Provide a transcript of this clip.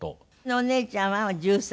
お姉ちゃんは１３。